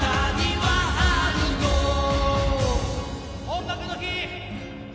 「音楽の日」